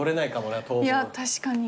いや確かに。